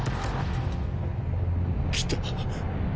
来た。